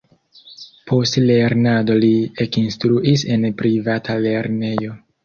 Post lernado li ekinstruis en privata lernejo.